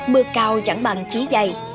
mưa cao chẳng bằng trí dày